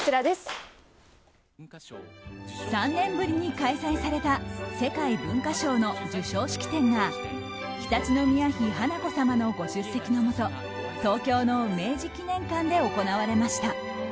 ３年ぶりに開催された世界文化賞の授賞式典が常陸宮妃華子さまのご出席のもと東京の明治記念館で行われました。